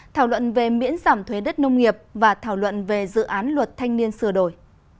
thảo luận về miễn giảm thuế đất nông nghiệp và thảo luận về dự án luật thanh niên sửa đổi